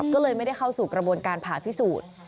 ก็เลยไม่ได้เข้าสู่กระบวนการผ่าพิสูจน์